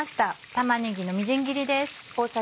玉ねぎのみじん切りです。